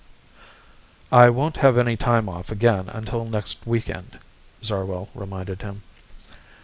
"I won't have any time off again until next week end," Zarwell reminded him.